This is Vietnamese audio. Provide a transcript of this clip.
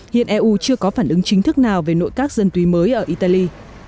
hiện eu chưa có phản ứng chính thức nào về nội các dân túy mới ở italy